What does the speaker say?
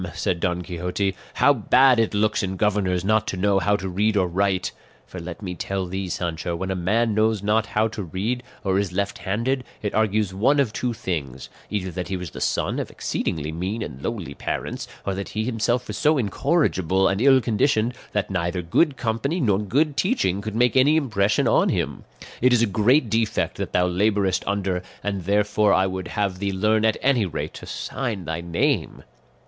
said Don Quixote, "how bad it looks in governors not to know how to read or write; for let me tell thee, Sancho, when a man knows not how to read, or is left handed, it argues one of two things; either that he was the son of exceedingly mean and lowly parents, or that he himself was so incorrigible and ill conditioned that neither good company nor good teaching could make any impression on him. It is a great defect that thou labourest under, and therefore I would have thee learn at any rate to sign thy name."